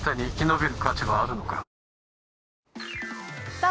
さあ